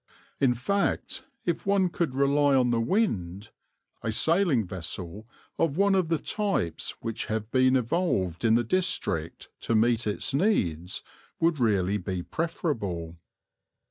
In fact, if one could rely on the wind, a sailing vessel of one of the types which have been evolved in the district to meet its needs would really be preferable.